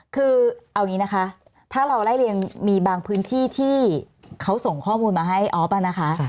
คือเอาอย่างนี้นะคะถ้าเราไล่เรียงมีบางพื้นที่ที่เขาส่งข้อมูลมาให้ออฟนะคะ